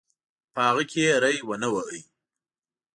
په هغه کې یې ری ونه واهه.